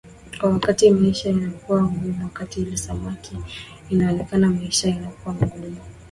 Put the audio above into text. na wakati maisha inakuwa ngumu wakati ile samaki inakosekana maisha inakuwa ngumu